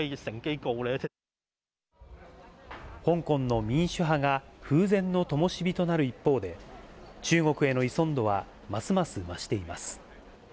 香港の民主派が風前のともし火となる一方で、中国への依存度はますます増しています。